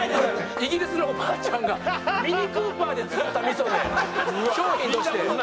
イギリスのお婆ちゃんがミニクーパーで作った味噌で商品として。